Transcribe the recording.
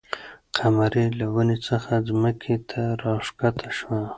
قمري له ونې څخه ځمکې ته راښکته شوه.